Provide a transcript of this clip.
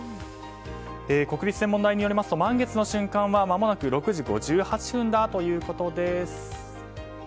国立天文台によりますと満月の瞬間はまもなくの６時５８分だということです。